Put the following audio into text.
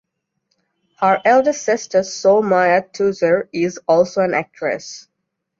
Her elder sister Soe Myat Thuzar is also an actress.